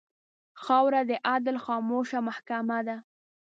خاوره د عدل خاموشه محکمـه ده.